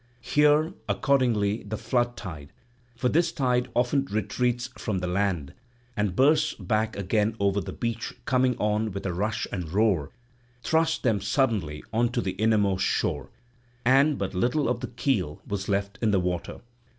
Here accordingly the flood tide—for this tide often retreats from the land and bursts back again over the beach coming on with a rush and roar—thrust them suddenly on to the innermost shore, and but little of the keel was left in the water.